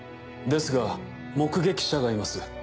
ですが目撃者がいます。